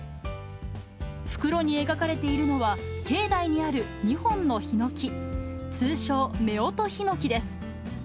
袋に描かれているのは、境内にある２本のひのき、通称、夫婦檜です。